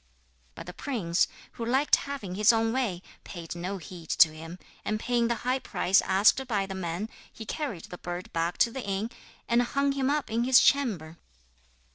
But the prince, who liked having his own way, paid no heed to him, and paying the high price asked by the man, he carried the bird back to the inn, and hung him up in his chamber.